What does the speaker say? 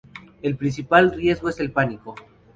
El principal riesgo es el pánico.